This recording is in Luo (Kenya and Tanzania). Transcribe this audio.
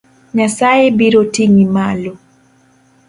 Nyasaye biro ting'i malo.